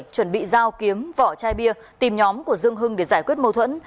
một mươi sáu một mươi bảy chuẩn bị giao kiếm vỏ chai bia tìm nhóm của dương hưng để giải quyết mâu thuẫn